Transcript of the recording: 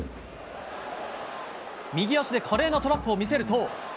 右足で華麗なトラップを見せると。